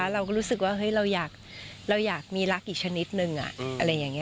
เราก็รู้สึกว่าเราอยากมีรักอีกชนิดหนึ่ง